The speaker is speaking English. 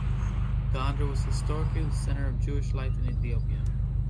Gonder was historically the center of Jewish life in Ethiopia.